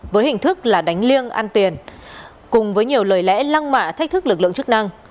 với hình thức là đánh liêng ăn tiền cùng với nhiều lời lẽ lăng mạ thách thức lực lượng chức năng